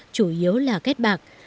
chủ yếu là kết bạc